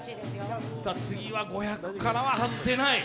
次は５００からは外せない。